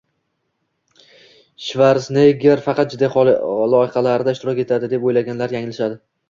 Shvarsenegger faqat jiddiy loyihalarda ishtirok etadi deb o‘ylaganlar yanglishadi